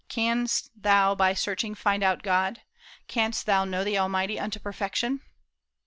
"Canst thou by searching find out God? canst thou know the Almighty unto perfection?"